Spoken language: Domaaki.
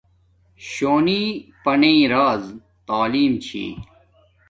شونی پانݵ راز تعلیم چھی